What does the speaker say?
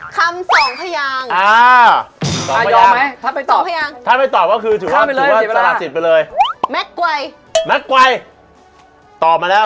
คำสองพยางถ้าไม่ตอบก็คือถือว่าสละสิทธิ์ไปเลย